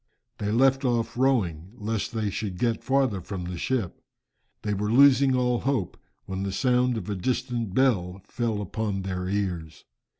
They left off rowing, lest they should get farther from the ship. They were losing all hope when the sound of a distant bell fell upon their ears.